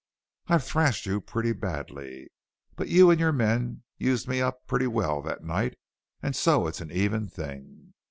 I've thrashed you pretty badly, but you and your men used me up pretty well that night and so it's an even thing.